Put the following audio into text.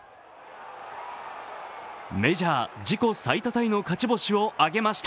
メジャー自己最多タイの勝ち星を挙げました。